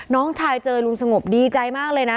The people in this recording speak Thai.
น้องชายเจอลุงสงบดีใจมากเลยนะ